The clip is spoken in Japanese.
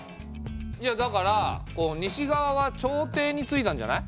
いやだから西側は朝廷についたんじゃない？